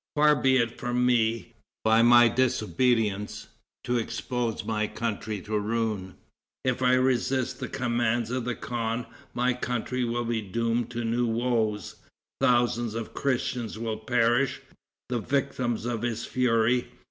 Far be it from me, by my disobedience, to expose my country to ruin. If I resist the commands of the khan, my country will be doomed to new woes; thousands of Christians will perish, the victims of his fury.